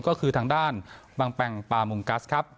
ก็คือทางด้านบังแปงปามงกัสครับ